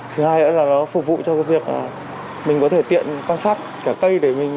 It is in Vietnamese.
thứ hai là nó phục vụ cho việc mình có thể tiện quan sát cả cây để mình